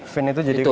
fin itu jadi